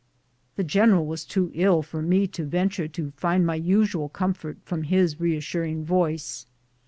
The general was too ill for me to venture to find my usual comfort from his re assuring voice.